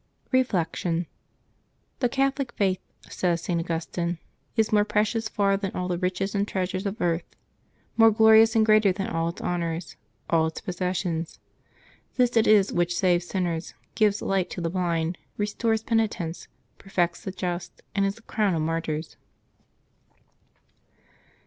Reflection. — The Catholic Faith, says St. Augustine, is more precious far than all the riches and treasures of earth; more glorious and greater than all its honors, all its possessions. This it is which saves sinners, gives light to the blind, restores penitents, perfects the just, and is the crown of martvrs.